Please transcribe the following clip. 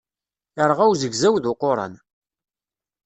Irɣa uzegzaw d uquran.